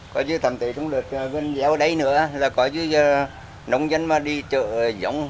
có như thẩm tế trong lượt gần dẻo ở đây nữa là có như nông dân mà đi chợ giống